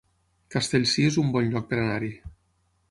Castellcir es un bon lloc per anar-hi